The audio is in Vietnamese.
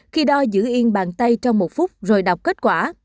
khi đo giữ yên bàn tay trong một phút rồi đọc kết quả